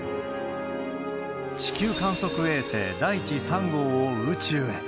地球観測衛星だいち３号を宇宙へ。